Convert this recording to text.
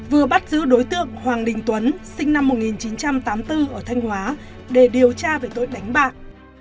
vừa bắt giữ đối tượng hoàng đình tuấn sinh năm một nghìn chín trăm tám mươi bốn ở thanh hóa để điều tra về tội đánh bạc